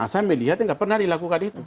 saya melihatnya nggak pernah dilakukan itu